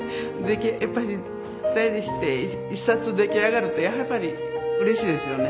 やっぱり２人でして１冊出来上がるとやっぱりうれしいですよね。